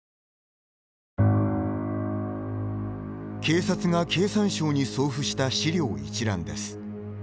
警察が経産省に送付した資料一覧です。